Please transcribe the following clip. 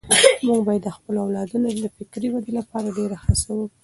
موږ باید د خپلو اولادونو د فکري ودې لپاره ډېره هڅه وکړو.